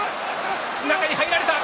中に入られた。